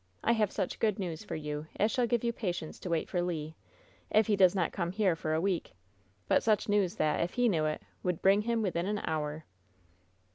*I have such good news for you as shall give you patience to wait for Le, if he does not come here for a week. But such news that, if he knew it, would bring him within an hour!"